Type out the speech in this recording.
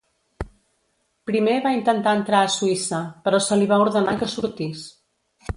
Primer va intentar entrar a Suïssa, però se li va ordenar que sortís.